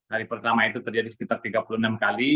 hari pertama itu terjadi sekitar tiga puluh enam kali